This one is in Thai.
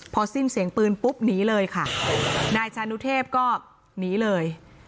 พอสิ้นเสียงปืนปุ๊บหนีเลยค่ะนายชานุเทพก็หนีเลย